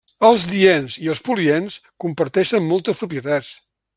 Els diens i els poliens comparteixen moltes propietats.